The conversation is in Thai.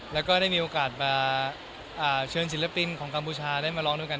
แล้วก็ได้มีโอกาสมาเชิญศิลปินของกัมพูชาได้มาร้องด้วยกัน